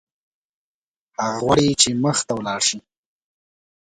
هغه غواړي چې مخته ولاړ شي.